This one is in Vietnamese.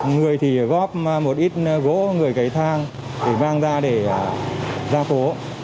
người thì góp một ít gỗ người cấy thang để mang ra để ra cố